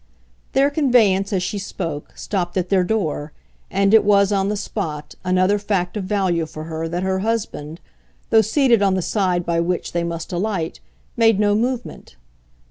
Their conveyance, as she spoke, stopped at their door, and it was, on the spot, another fact of value for her that her husband, though seated on the side by which they must alight, made no movement.